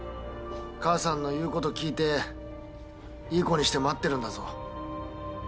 母さんの言うこと聞いていい子にして待ってるんだぞ。